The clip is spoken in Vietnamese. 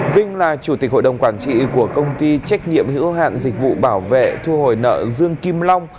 vinh là chủ tịch hội đồng quản trị của công ty trách nhiệm hữu hạn dịch vụ bảo vệ thu hồi nợ dương kim long